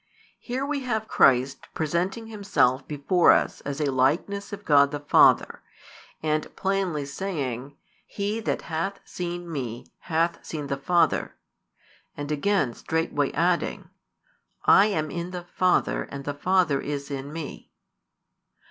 Here we have Christ presenting Himself before us as a Likeness of God the Father, and plainly saying: He that hath seen Me hath seen the Father, and again straightway adding: I am in the Father, and the Father is in Me.